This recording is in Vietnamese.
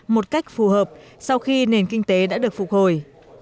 một cách phù hợp sau khi nền kinh tế đã được phục hồi